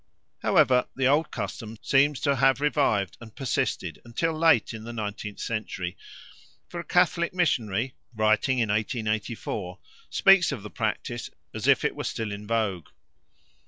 However, the old custom seems to have revived and persisted until late in the nineteenth century, for a Catholic missionary, writing in 1884, speaks of the practice as if it were still in vogue.